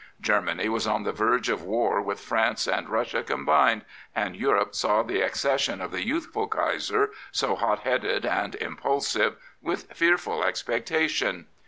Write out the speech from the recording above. Germany was on the verge of war with France and Russia combined, and Europe saw the accession of the youthful Kaiser, so hot headed and impulsive, with fearful expectation.